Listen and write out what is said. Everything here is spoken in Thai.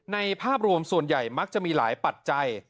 ภาพรวมส่วนใหญ่มักจะมีหลายปัจจัย